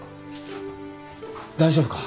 大丈夫か？